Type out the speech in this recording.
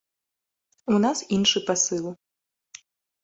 У нас іншы пасыл.